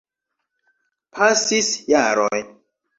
Pasis jaroj.